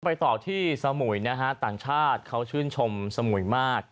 ไปต่อที่สมุยนะฮะต่างชาติเขาชื่นชมสมุยมาก